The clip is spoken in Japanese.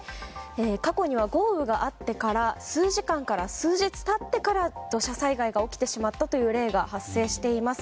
過去には、豪雨があってから数時間から数日経ってから土砂災害が起きてしまったという例が発生しています。